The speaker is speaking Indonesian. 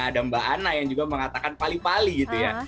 ada mbak anna yang juga mengatakan pali pali gitu ya